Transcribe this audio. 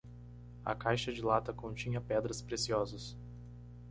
A caixa de lata continha pedras preciosas.